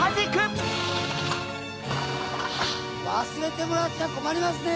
わすれてもらっちゃこまりますね！